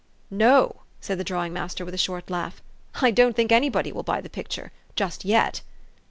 "" No," said the drawing master with a short laugh. "I don't think anybody will buy the picture just yet.